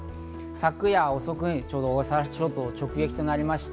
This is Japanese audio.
昨夜遅くにちょうど小笠原諸島直撃となりました。